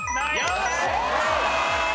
正解です。